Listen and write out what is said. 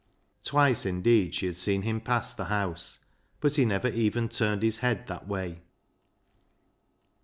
Twice indeed she had seen him pass the house, but he never even turned his head that way.